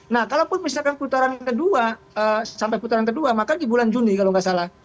nah kalaupun misalkan putaran kedua sampai putaran kedua maka di bulan juni kalau nggak salah